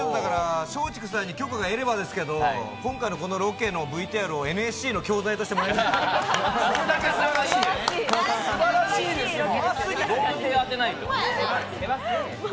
松竹さんに許可が得ればですけど、このロケのＶＴＲをＮＳＣの教材としていただければと。